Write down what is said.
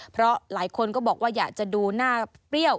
เพราะหลายคนก็บอกว่าอยากจะดูหน้าเปรี้ยว